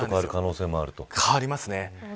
変わりますね。